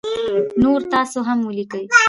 نور تاسو هم ولیکی